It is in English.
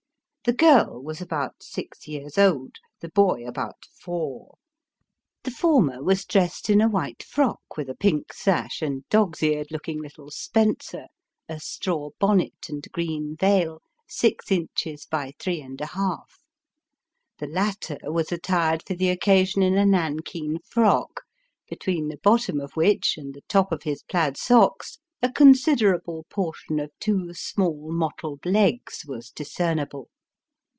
The girl was about six years old, the boy about four ; the former was dressed in a white frock with a pink sash and dog's eared looking little spencer : a straw bonnet and green veil, six inches by three and a half; the latter was attired for the occasion in a nankeen frock, 298 Sketches by between the bottom of which, and the top of his plaid socks, a con siderable portion of two small mottled legs was discernible.